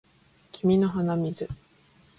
君の鼻水